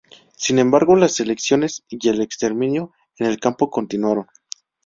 Sin embargo, las selecciones y el exterminio en el campo continuaron.